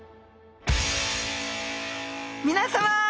皆さま